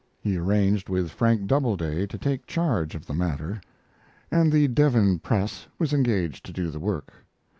He arranged with Frank Doubleday to take charge of the matter, and the De Vinne Press was engaged to do the work.